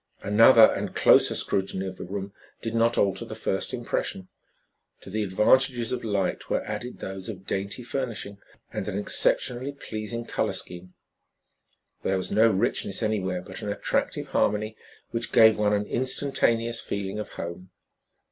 Another and closer scrutiny of the room did not alter the first impression. To the advantages of light were added those of dainty furnishing and an exceptionally pleasing color scheme. There was no richness anywhere, but an attractive harmony which gave one an instantaneous feeling of home.